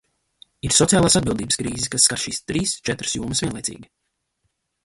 Ir sociālās atbildības krīze, kas skar šīs trīs četras jomas vienlaicīgi.